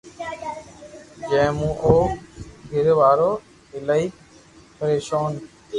جي مون اورو گر وارو ايلائي پريݾون